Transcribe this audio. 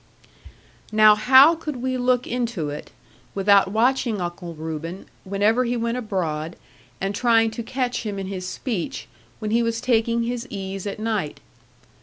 Now how could we look into it, without watching Uncle Reuben, whenever he went abroad, and trying to catch him in his speech, when he was taking his ease at night.